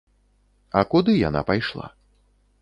А куды яна пайшла?